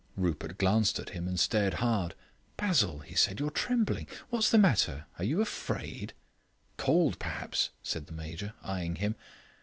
Rupert glanced at him and stared hard. "Basil," he cried, "you're trembling. What's the matter are you afraid?" "Cold, perhaps," said the Major, eyeing him.